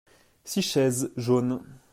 Six chaises jaunes.